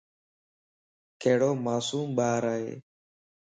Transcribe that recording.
ڪھڙو معصوم ٻارائي